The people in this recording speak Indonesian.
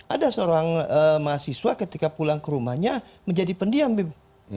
ada seorang mahasiswa ketika pulang ke rumahnya menjadi pendiam bim